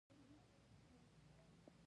ولایتونه د ځایي اقتصادونو یو مهم بنسټ دی.